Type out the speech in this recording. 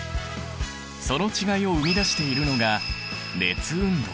その違いを生み出しているのが熱運動。